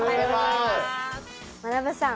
まなぶさん